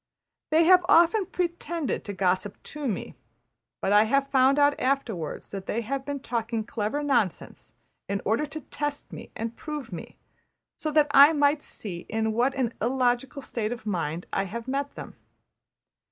They have often pretended to gossip to me; but I have found out afterwards that they have been talking clever nonsense in order to test me and prove me; so that I might see in what an illogical state of mind I have met them.